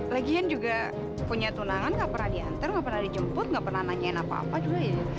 lagian juga punya tunangan nggak pernah diantar nggak pernah dijemput nggak pernah nanyain apa apa juga